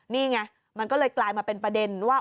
นี่ไงมันก็เลยกลายมาเป็นประเด็นว่า